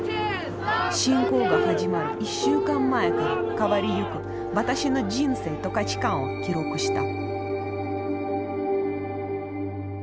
侵攻が始まる１週間前から変わりゆく私の人生と価値観を記録した。